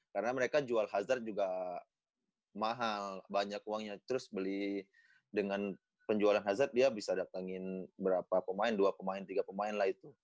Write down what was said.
karena mereka jual hazard juga mahal banyak uangnya terus beli dengan penjualan hazard dia bisa datangin berapa pemain dua pemain tiga pemain lah itu